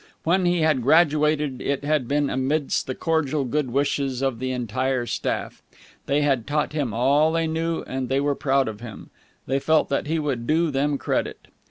When he had graduated, it had been amidst the cordial good wishes of the entire staff. They had taught him all they knew, and they were proud of him. They felt that he would do them credit.